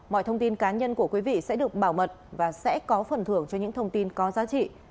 mọi thông tin cá nhân của quý vị sẽ được bảo mật và sẽ có phần thưởng cho những thông tin có giá trị